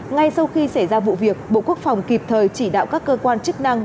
ngay sau khi xảy ra vụ việc bộ quốc phòng kịp thời chỉ đạo các cơ quan chức năng